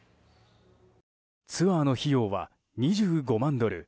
ツアーの費用は２５万ドル